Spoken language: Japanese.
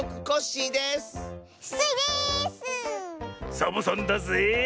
サボさんだぜえ！